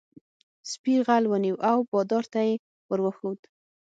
سپي غل ونیو او بادار ته یې ور وښود.